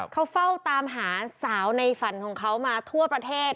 เขาเฝ้าตามหาสาวในฝันของเขามาทั่วประเทศ